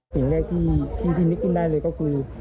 สิ่งแรกที่พี่มิกตุ้นได้เลยก็คือ